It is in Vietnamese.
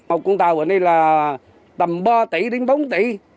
một con tàu ở đây là tầm ba tỷ đến bốn tỷ